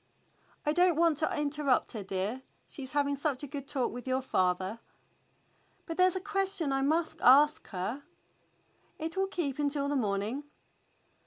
^" "I don't want to interrupt her, dear. She's having such a good talk with your father." "But there's a question I must ask her." "It will keep until the morning."